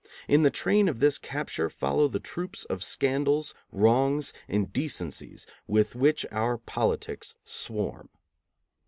In the train of this capture follow the troops of scandals, wrongs, indecencies, with which our politics swarm.